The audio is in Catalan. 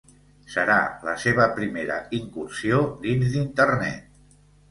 Serà la seva primera incursió dins d'Internet.